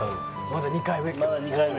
まだ２回目。